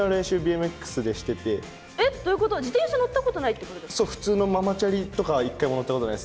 え？ということは自転車乗ったことないってこと？